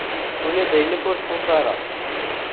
Ula d ayla-k ur txuṣṣ ara.